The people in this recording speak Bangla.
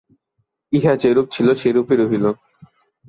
ইহা যেরূপ ছিল, সেইরূপই রহিল।